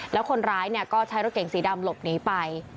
แล้วคนร้ายก็ใช้รถเก่งสีดำหลบหนีไป